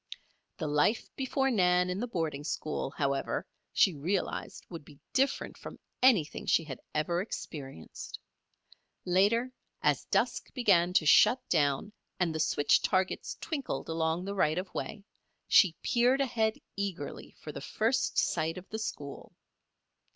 The life before Nan in the boarding school, however, she realized would be different from anything she had ever experienced. Later, as dusk began to shut down and the switch targets twinkled along the right of way, she peered ahead eagerly for the first sight of the school.